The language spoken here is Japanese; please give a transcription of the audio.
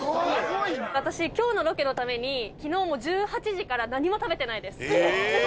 私今日のロケのために昨日１８時から何も食べてないです。